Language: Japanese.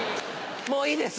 もういいです。